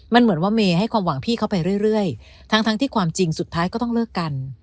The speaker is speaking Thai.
มันเหมือนว่าเมย์ให้ความหวังพี่เขาไปเรื่อยทั้งที่ความจริงสุดท้ายก็ต้องเลิกกัน